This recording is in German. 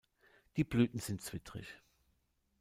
Die Blüten sind zwittrig.